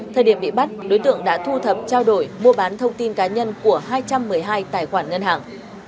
thời điểm bị bắt đối tượng đã thu thập trao đổi mua bán thông tin cá nhân của hai trăm một mươi hai tài khoản ngân hàng